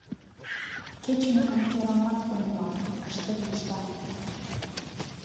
Кеч-могай деламат умыла, ыштен мошта.